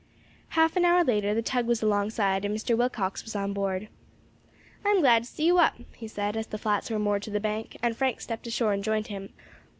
Half an hour later the tug was alongside, and Mr. Willcox was on board. "I am glad to see you up," he said, as the flats were moored to the bank, and Frank stepped ashore and joined him.